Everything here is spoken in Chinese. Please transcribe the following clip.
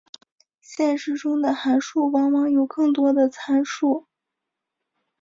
现实中的函数往往有更多的参数。